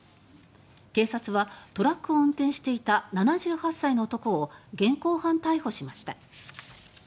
警察はトラックを運転していた７８歳の男を現行犯逮捕しました。